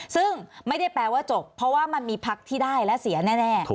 ซึ่งไม่ได้แปลว่าจบเพราะว่ามันมีพักที่ได้และเสียแน่